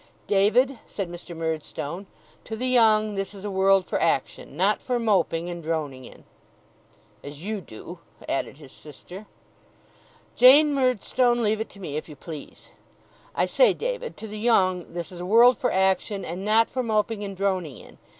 'David,' said Mr. Murdstone, 'to the young this is a world for action; not for moping and droning in.' 'As you do,' added his sister. 'Jane Murdstone, leave it to me, if you please. I say, David, to the young this is a world for action, and not for moping and droning in.